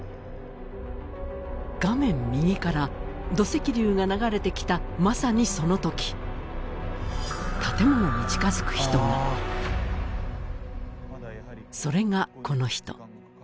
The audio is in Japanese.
画面右から土石流が流れてきたまさにその時建物に近づく人がそれがこの人